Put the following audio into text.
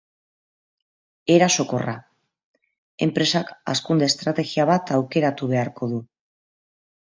Erasokorra: enpresak hazkunde estrategia bat aukeratu beharko du.